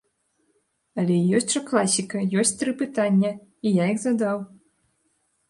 Але ёсць жа класіка, ёсць тры пытання, і я іх задаў.